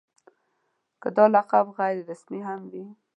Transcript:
که دا لقب غیر رسمي هم دی.